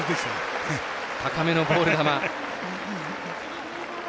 高めのボール球。